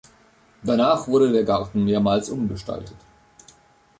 Danach wurde der Garten mehrmals umgestaltet.